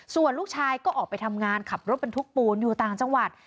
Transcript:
ส่วนลูกชายก็ออกไปทำงานขับรถบรรทุกปูนอยู่ต่างจังหวัด